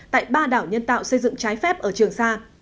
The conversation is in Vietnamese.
tại ba đảo nhân tạo xây dựng trái phép ở trường sa